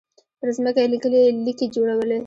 پر ځمکه يې ليکې جوړولې.